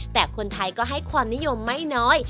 แต่คนไทยก็ให้ความนิยมไม่น้อย